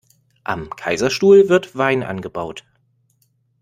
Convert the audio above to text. Am Kaiserstuhl wird Wein angebaut.